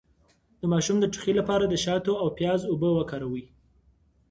د ماشوم د ټوخي لپاره د شاتو او پیاز اوبه وکاروئ